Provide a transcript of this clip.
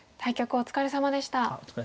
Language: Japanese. お疲れさまでした。